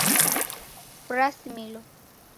Kurasimilo